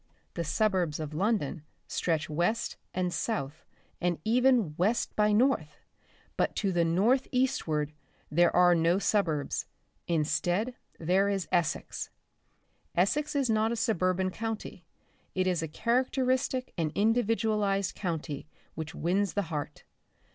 The suburbs of London stretch west and south and even west by north, but to the north eastward there are no suburbs; instead there is Essex. Essex is not a suburban county; it is a characteristic and individualised county which wins the heart.